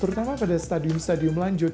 terutama pada stadium stadium lanjut